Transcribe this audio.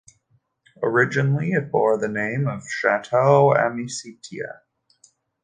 Originally it bore the name of Chateau Amicitia.